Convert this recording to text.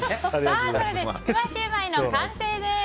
これでちくわシューマイの完成です。